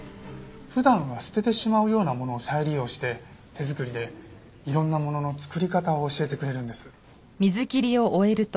普段は捨ててしまうようなものを再利用して手作りでいろんなものの作り方を教えてくれるんです。